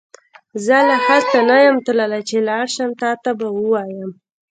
زه لا هلته نه يم تللی چې لاړشم تا ته به وويم